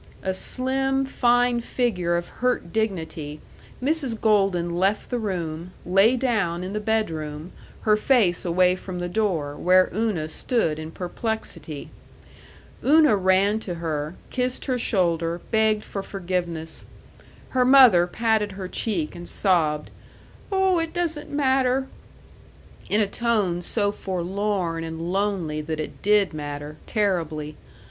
A slim, fine figure of hurt dignity, Mrs. Golden left the room, lay down in the bedroom, her face away from the door where Una stood in perplexity. Una ran to her, kissed her shoulder, begged for forgiveness. Her mother patted her cheek, and sobbed, "Oh, it doesn't matter," in a tone so forlorn and lonely that it did matter, terribly.